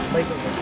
baik pak jai